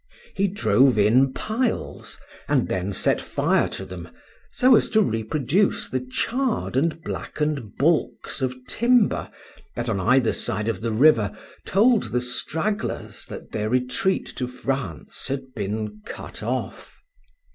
He drove in piles, and then set fire to them, so as to reproduce the charred and blackened balks of timber that on either side of the river told the stragglers that their retreat to France had been cut off.